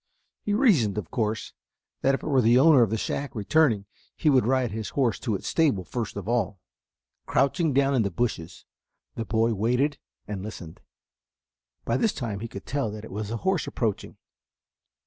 He reasoned, of course, that if it were the owner of the shack returning, he would ride his horse to its stable first of all. Crouching down in the bushes the boy waited and listened. By this time he could tell that it was a horse approaching.